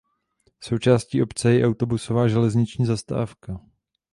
Součástí obce je i autobusová a železniční zastávka.